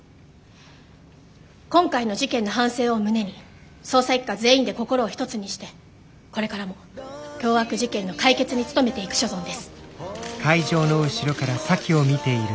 今回の事件の反省を胸に捜査一課全員で心を一つにしてこれからも凶悪事件の解決に努めてゆく所存です。